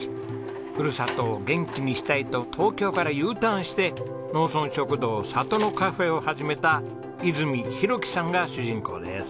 ふるさとを元気にしたいと東京からＵターンして農村食堂里のカフェを始めた泉浩樹さんが主人公です。